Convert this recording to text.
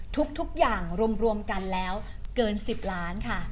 ทุกอย่างรวมกันแล้วเกิน๑๐ล้านค่ะ